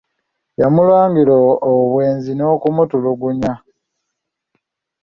Yamulangira obwenzi n'okumutulugunyanga.